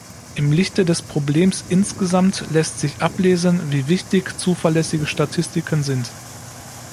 Im Lichte des Problems insgesamt lässt sich ablesen, wie wichtig zuverlässige Statistiken sind.